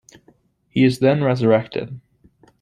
He is then resurrected.